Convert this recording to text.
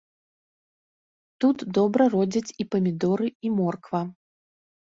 Тут добра родзяць і памідоры, і морква.